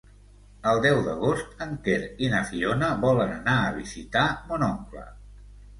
El deu d'agost en Quer i na Fiona volen anar a visitar mon oncle.